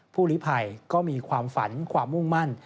ลิภัยก็มีความฝันความมุ่งมั่น